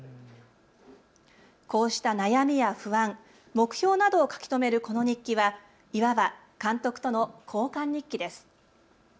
こうした悩みや不安、目標などを書き留めるこの日記はいわば監督との交換日記です。